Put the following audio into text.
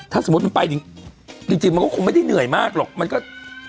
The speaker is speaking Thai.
ถ้าสมมุติมันไปจริงมันก็คงไม่ได้เหนื่อยมากหรอกมันก็